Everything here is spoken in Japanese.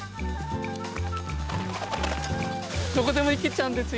どこでも行けちゃうんですよ。